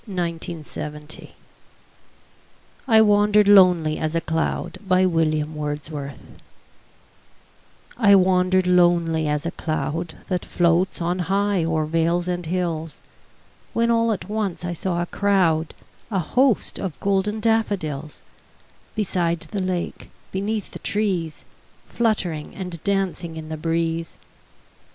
William Wordsworth I Wandered Lonely As a Cloud I WANDERED lonely as a cloud That floats on high o'er vales and hills, When all at once I saw a crowd, A host, of golden daffodils; Beside the lake, beneath the trees, Fluttering and dancing in the breeze.